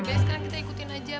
lebih baik sekarang kita ikutin aja